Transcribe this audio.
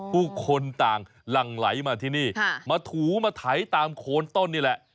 ผู้คนต่างหลั่งไหลมาที่นี่มาถูมาไถตามโคนต้นนี่แหละ